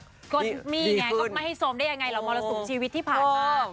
ก็นี่ไงก็ไม่ให้โซมได้ยังไงล่ะมรสุมชีวิตที่ผ่านมา